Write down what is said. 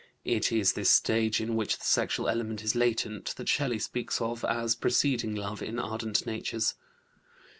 It is this stage, in which the sexual element is latent, that Shelley speaks of as preceding love in ardent natures.